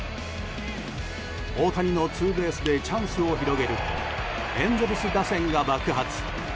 大谷のツーベースでチャンスを広げるとエンゼルス打線が爆発。